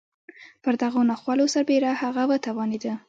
پر دغو ناخوالو سربېره هغه وتوانېده.